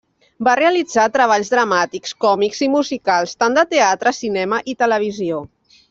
Va realitzar treballs dramàtics, còmics i musicals tant de teatre, cinema i televisió.